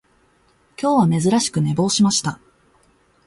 今日は珍しく寝坊しました